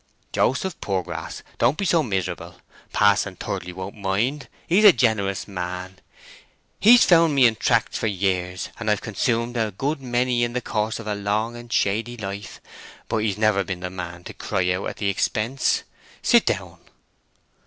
"Joseph Poorgrass, don't be so miserable! Pa'son Thirdly won't mind. He's a generous man; he's found me in tracts for years, and I've consumed a good many in the course of a long and shady life; but he's never been the man to cry out at the expense. Sit down."